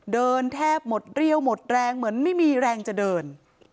เดินแทบหมดเรี่ยวหมดแรงเหมือนไม่มีแรงจะเดิน